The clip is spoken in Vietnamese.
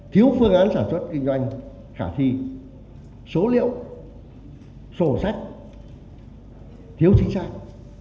thiếu phương án sản xuất kinh doanh khả thi số liệu sổ sách thiếu chính xác